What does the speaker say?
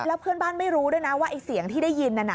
แล้วเพื่อนบ้านไม่รู้ด้วยนะว่าไอ้เสียงที่ได้ยินนั่นน่ะ